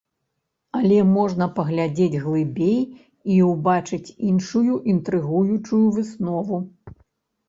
Але можна паглядзець глыбей і ўбачыць іншую інтрыгуючую выснову.